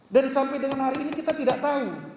dan sampai dengan hari ini kita tidak tahu